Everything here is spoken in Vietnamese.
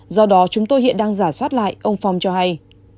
do đó chúng tôi hiện đang giả soát lại ông phong cho hay